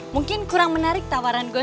mungkin kurang menarik tawaran gue